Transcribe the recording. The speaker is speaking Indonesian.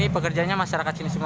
pekerjanya masyarakat sini semua